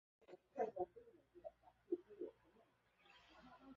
练习生并不等于储备选手或二军球员。